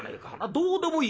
どうでもいい。